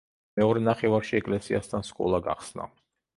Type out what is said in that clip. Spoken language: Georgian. მეორე ნახევარში ეკლესიასთან სკოლა გახსნა.